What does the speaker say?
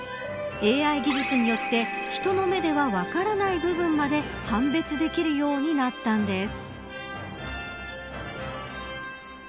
ＡＩ技術によって人の目では分からない部分まで判別できるようになったんです。